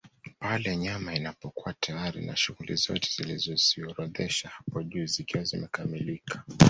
Pale nyama inapokuwa tayari na shughuli zote tulizoziorodhesha hapo juu zikiwa zimekamilika